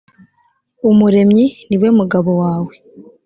umuremyi ni we mugabo wawe